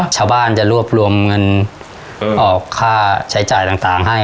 ชาวบ้านจะรวบรวมเงินออกค่าใช้จ่ายต่างให้